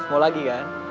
mau lagi kan